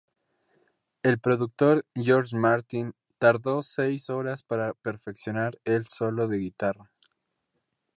El productor George Martin tardó seis horas para perfeccionar el solo de guitarra.